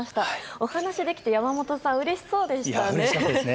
お話しできて山本さん、うれしそうでしたね。